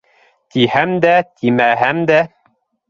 Тиһәм дә, тимәһәм дә